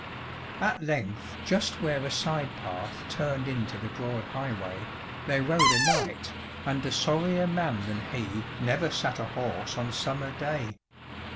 At length, just where a side path turned into the broad highway, there rode a knight, and a sorrier man than he never sat a horse on summer day.